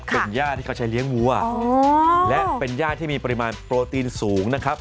เป็นย่าที่เขาใช้เลี้ยงวัวและเป็นย่าที่มีปริมาณโปรตีนสูงนะครับ